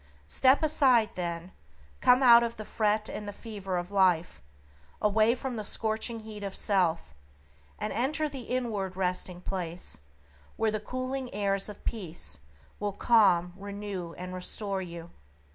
Step aside, then; come out of the fret and the fever of life; away from the scorching heat of self, and enter the inward resting place where the cooling airs of peace will calm, renew, and restore you.